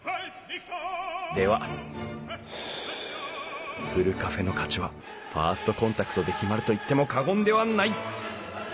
ではふるカフェの価値はファーストコンタクトで決まると言っても過言ではない。